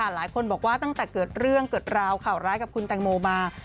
หลายคนบอกว่าตั้งแต่เกิดเรื่องเกิดราวข่าวร้ายกับคุณแตงโมมา